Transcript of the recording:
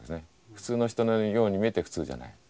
普通の人のように見えて普通じゃない。